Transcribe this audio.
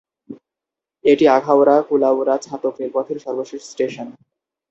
এটি আখাউড়া-কুলাউড়া-ছাতক রেলপথের সর্বশেষ স্টেশন।